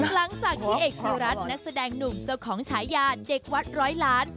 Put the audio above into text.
หลังจากที่เอกไทยรัฐนักแสดงหนุ่มเจ้าของฉายาเด็กวัดร้อยล้าน